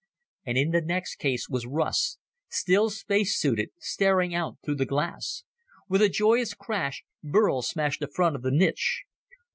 And in the next case was Russ, still space suited, staring out through the glass. With a joyous crash, Burl smashed the front of the niche.